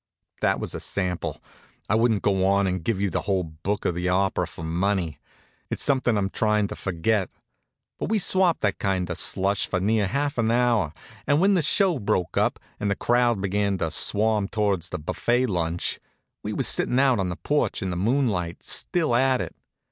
That was a sample. I wouldn't go on and give you the whole book of the opera for money. It's somethin' I'm tryin' to forget. But we swapped that kind of slush for near half an hour, and when the show broke up and the crowd began to swarm towards the buffet lunch, we was sittin' out on the porch in the moonlight, still at it.